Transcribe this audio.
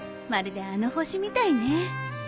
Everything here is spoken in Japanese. まるであの星みたいね